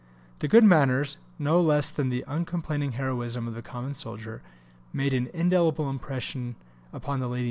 The good manners, no less than the uncomplaining heroism of the common soldier, made an indelible impression upon the Lady in Chief.